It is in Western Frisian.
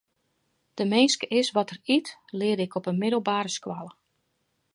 De minske is wat er yt, learde ik op 'e middelbere skoalle.